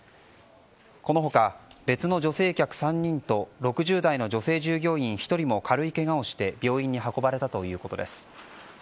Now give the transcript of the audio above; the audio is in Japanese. この他、別の女性客３人と６０代の女性従業員１人も軽いケガをして病院に運ばれたということです。